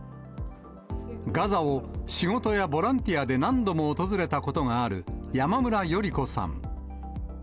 ガザを仕事やボランティアで何度も訪れたことがある山村順子さん。